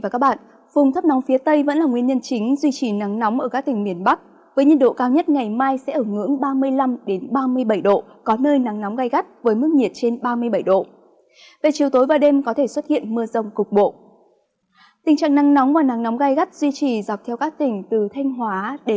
các bạn hãy đăng ký kênh để ủng hộ kênh của chúng mình nhé